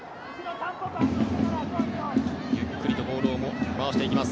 ゆっくりとボールを回していきます